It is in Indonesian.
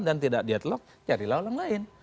dan tidak deadlock carilah orang lain